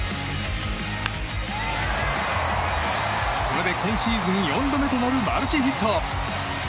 これで今シーズン４度目となるマルチヒット。